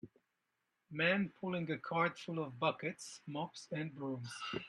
Man pulling a cart full of buckets, mops and brooms.